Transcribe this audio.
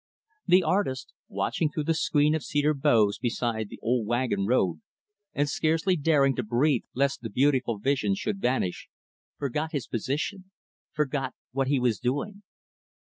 The artist watching through the screen of cedar boughs beside the old wagon road and scarcely daring to breathe lest the beautiful vision should vanish forgot his position forgot what he was doing.